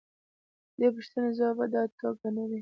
د دې پوښتنې ځواب په ډاډه توګه نه دی.